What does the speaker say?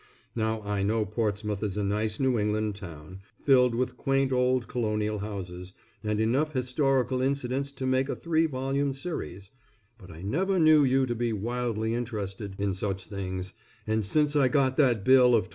Now I know Portsmouth is a nice New England town, filled with quaint old colonial houses, and enough historical incidents to make a three volume series, but I never knew you to be wildly interested in such things, and since I got that bill of $24.